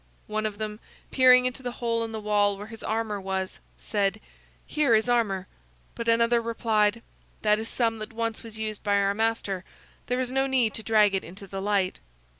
One of them, peering into the hole in the wall where his armor was, said: "Here is armor." But another replied: "That is some that once was used by our master; there is no need to drag it into the light."